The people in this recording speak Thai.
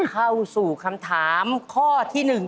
เข้าสู่คำถามข้อที่๑